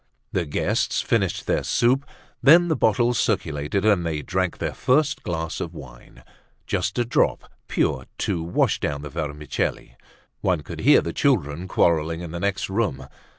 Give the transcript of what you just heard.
The guests finished their soup. Then the bottles circulated and they drank their first glass of wine, just a drop pure, to wash down the vermicelli. One could hear the children quarrelling in the next room.